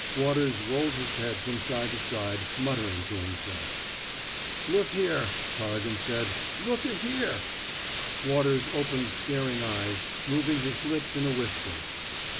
Waters rolled his head from side to side, muttering to himself. Look here, Corrigan said. Look a here —*' Waters opened staring eyes, moving his lips in a whisper.